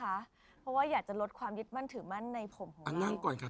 เพราะว่าอยากจะลดความยึดมั่นถือมั่นในผมนั่งก่อนครับ